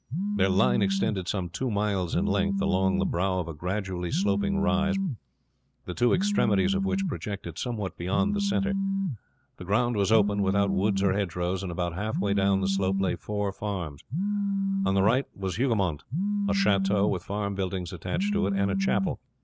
Their line extended some two miles in length, along the brow of a gradually sloping rise, the two extremities of which projected somewhat beyond the center. The ground was open, without woods or hedgerows. About halfway down the slope lay four farms. On the right was Hougoumont; a chateau with farm buildings attached to it and a chapel.